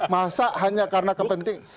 masa hanya karena kepentingan